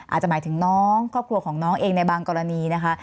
อาจจะหมายถึงน้องครอบครัวของน้องเองในบางกรณีนะคะ